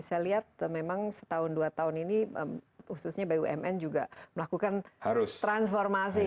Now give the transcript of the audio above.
saya lihat memang setahun dua tahun ini khususnya bumn juga melakukan transformasi